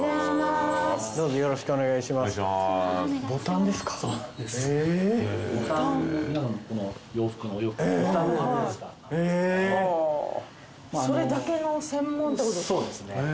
そうですね。